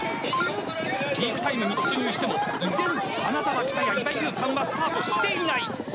ピークタイムに突入しても依然、花澤喜多屋岩井るーぱんはスタートしていない。